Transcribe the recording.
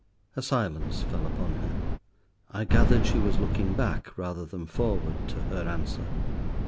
A silence fell upon her. I gathered she was looking back rather than forward to her answer.